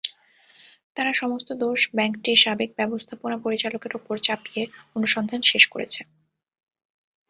তারা সমস্ত দোষ ব্যাংকটির সাবেক ব্যবস্থাপনা পরিচালকের ওপর চাপিয়ে অনুসন্ধান শেষ করেছে।